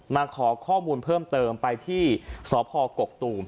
มาขอข้อมูลเพิ่มเติมไปที่สพกกตูม